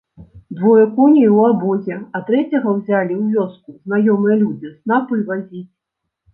Двое коней у абозе, а трэцяга ўзялі ў вёску знаёмыя людзі снапы вазіць.